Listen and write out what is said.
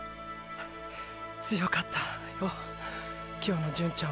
強かったよ今日の純ちゃんは。